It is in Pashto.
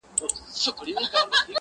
o زيرى د ژوند.